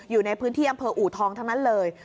อยู่ในพื้นที่อำเภออูทองทั้งนั้นเลย